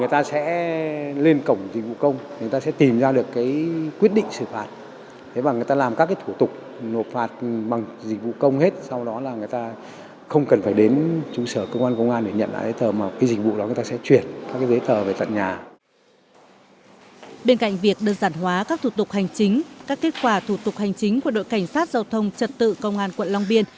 các kết quả thủ tục hành chính của đội cảnh sát giao thông trật tự công an quận long biên